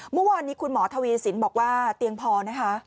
เมื่อวานนี้คุณหมอทวีสินบอกว่าเตียงพอนะคะ